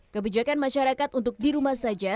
kebijakan masyarakat untuk di rumah saja